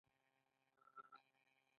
هغه کوښښ کوي چې خپله پانګه نوره هم زیاته کړي